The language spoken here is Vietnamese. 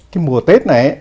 cái mùa tết này